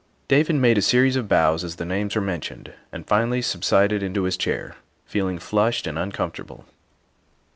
'' David made a series of bows as the names were men tioned, and finally subsided into his chair, feeling flushed and uncomfortable.